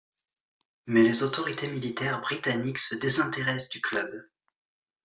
Mais les autorités militaires britanniques se désintéressent du club.